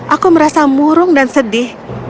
aku merasa murung dan sedih